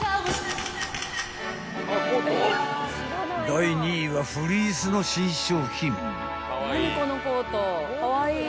［第２位はフリースの新商品］